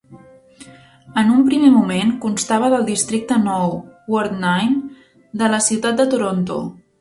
En un primer moment constava del districte Nou (Ward Nine) de la ciutat de Toronto.